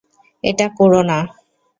এটা কোরো না।